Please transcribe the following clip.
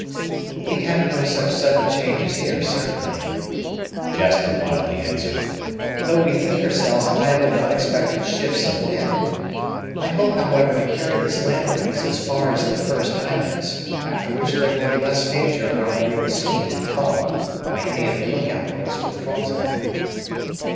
"We have no such sudden changes here, certainly," Jasper mildly answered; "though we think ourselves liable to unexpected shifts of wind. I hope, however, to carry this land breeze as far as the first islands; after which there will be less danger of our being seen and followed by any of the look out boats from Frontenac."